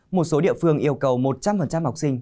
một số địa phương yêu cầu một trăm linh học sinh